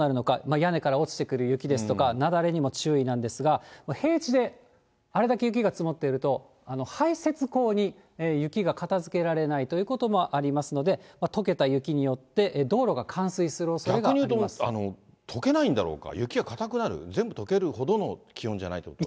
屋根から落ちてくる雪ですとか、雪崩にも注意なんですが、平地であれだけ雪が積もっていると、排雪こうに雪が片づけられないということもありますので、とけた雪によって、逆に言うととけないんだろうか、雪がかたくなる、全部とけるほどの気温じゃないということ？